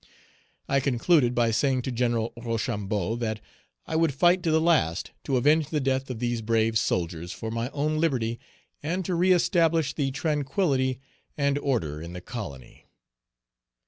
I concluded by saying to Gen. Rochambeau, that "I would fight to the last to avenge the death of these brave soldiers, for my own liberty, and to reëstablish tranquillity and order in the colony."